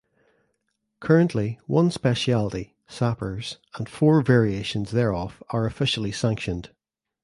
Currently one speciality (Sappers) and four variations thereof are officially sanctioned.